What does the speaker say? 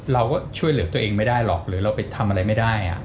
เราก็ช่วยเหลือตัวเองไม่ได้หรอกหรือเราไปทำอะไรไม่ได้